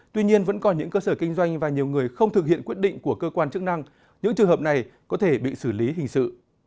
tuy nhiên vẫn còn những cơ sở kinh doanh và nhiều người không thực hiện quyết định của cơ quan chức năng những trường hợp này có thể bị xử lý hình sự